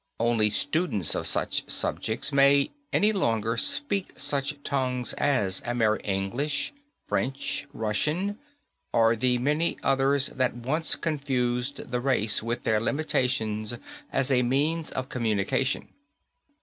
Only students of such subjects any longer speak such tongues as Amer English, French, Russian or the many others that once confused the race with their limitations as a means of communication."